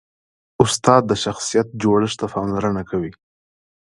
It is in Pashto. استاد د شخصیت جوړښت ته پاملرنه کوي.